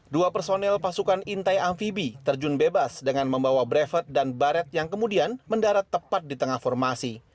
dua personel pasukan intai amfibi terjun bebas dengan membawa brevet dan baret yang kemudian mendarat tepat di tengah formasi